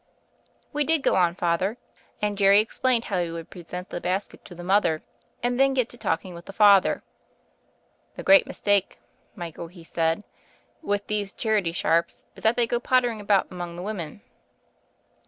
"We did go on, Father ; and Jerry explained how he would present the basket to the mother, and then get to talking with the father. 'The great mistake, Michael,' he said, 'with these charity sharps is that they go pottering about among the women.